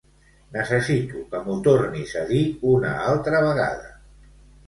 Necessito que m'ho tornis a dir una altra vegada.